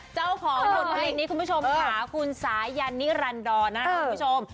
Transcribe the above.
เจ้าของบทเพลงนี้คุณผู้ชมค่ะคุณสายันนิรันดรนะครับคุณผู้ชม